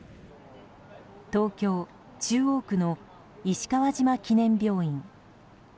東京・中央区の石川島記念病院。